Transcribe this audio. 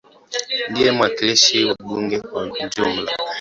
Ndiye mwakilishi wa bunge kwa ujumla.